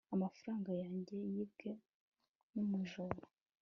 amafaranga yanjye yibwe numujura